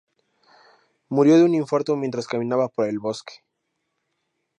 Murió de un infarto mientras caminaba por el bosque.